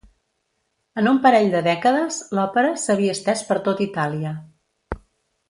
En un parell de dècades, l'òpera s'havia estès per tot Itàlia.